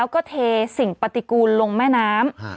แล้วก็เทสิ่งปฏิกูลลงแม่น้ำ